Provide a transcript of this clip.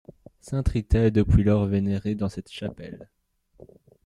Sainte Rita est depuis lors vénérée dans cette chapelle.